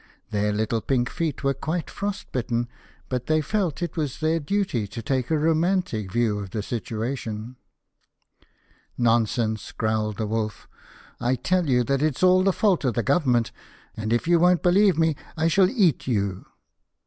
Their little pink feet were quite frost bitten, but they felt that it was their duty to take a romantic view of the situation. "Nonsense!" growled the Wolf. "I tell you that it is all the fault of the Government, and if you don't believe me I shall eat you."